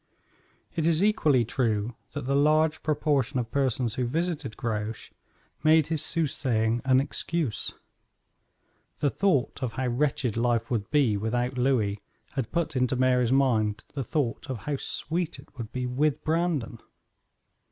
It is equally true that the large proportion of persons who visited Grouche made his soothsaying an excuse. The thought of how wretched life would be with Louis had put into Mary's mind the thought of how sweet it would be with Brandon.